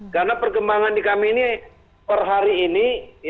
karena perkembangan di kami ini per hari ini